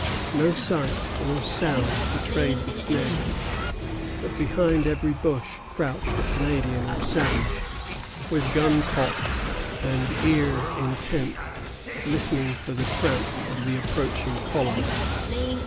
No sight or sound betrayed the snare; but behind every bush crouched a Canadian or a savage, with gun cocked and ears intent, listening for the tramp of the approaching column.